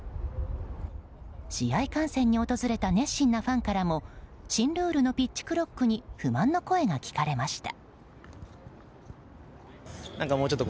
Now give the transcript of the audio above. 試合観戦に訪れた熱心なファンからも新ルールのピッチクロックに不満の声が聞かれました。